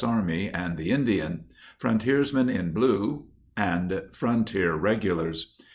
Army and the In dian, Frontiersmen in Blue and Frontier Regulars.